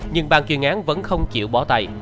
nhưng bàn quyền án vẫn không chịu bỏ tay